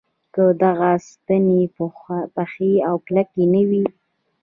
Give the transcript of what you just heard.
که دغه ستنې پخې او کلکې نه وي.